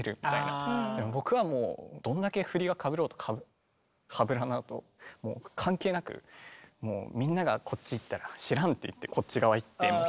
でも僕はもうどんだけ振りがかぶろうとかぶらなかろうと関係なくみんながこっち行ったら知らんっていってこっち側行って１人で。